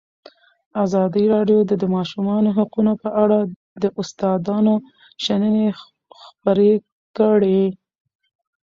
ازادي راډیو د د ماشومانو حقونه په اړه د استادانو شننې خپرې کړي.